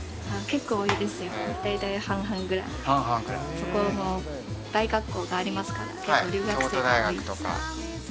結構多いですよ大体半々ぐらい半々くらいそこの大学校がありますから結構留学生が多いです